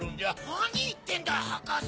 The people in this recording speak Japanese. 何言ってんだよ博士！